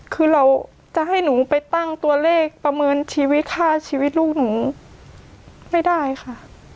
คือเราจะให้หนูไปตั้งตัวเลขประเมินชีวิตค่าชีวิตลูกหนูไม่ได้ค่ะ